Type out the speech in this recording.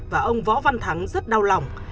và ông võ văn thắng rất đau lòng